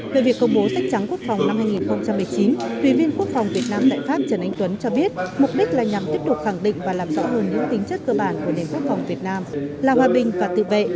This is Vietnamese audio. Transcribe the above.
về việc công bố sách trắng quốc phòng năm hai nghìn một mươi chín tùy viên quốc phòng việt nam tại pháp trần anh tuấn cho biết mục đích là nhằm tiếp tục khẳng định và làm rõ hơn những tính chất cơ bản của nền quốc phòng việt nam là hòa bình và tự vệ